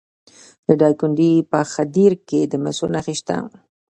د دایکنډي په خدیر کې د مسو نښې شته.